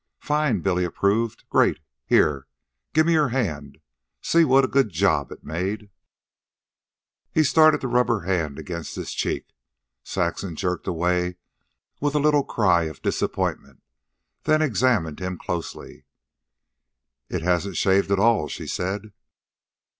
"Fine," Billy approved. "Great! Here. Give me your hand. See what a good job it made." He started to rub her hand against his cheek. Saxon jerked away with a little cry of disappointment, then examined him closely. "It hasn't shaved at all," she said.